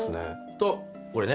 とこれね。